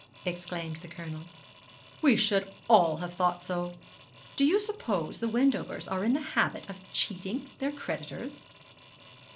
exclaimed the Colonel; 'we should all have thought so. Do you suppose the Wendovers are in the habit of cheating their creditors?'